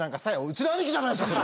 うちの兄貴じゃないっすか！